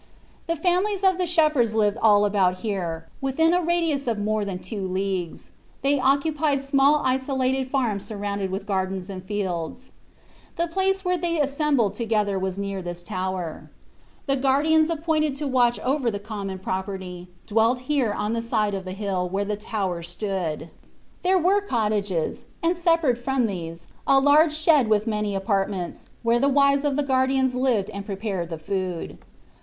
The families of the shepherds lived all about here within a radius of more than two leagues ; they occupied small isolated farms surrounded with gardens and fields. The place where they assembled to gether was near this tower. The guardians appointed to watch over the common <S>ur Xorfc Jesus Cbrist. 91 property dwelt here on the side of the hill where the tower stood; there were cottages, and separate from these a large shed with many apartments, where the wives of the guardians lived and prepared the food.